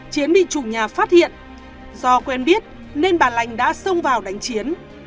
chiến bị chủ nhà phát hiện do quen biết nên bà lành đã xông vào đánh chiến